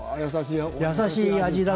優しい味だ。